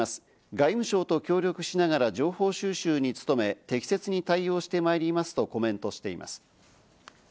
外務省と協力しながら、情報収集に努め、適切に対応してまいりますとコメントしています。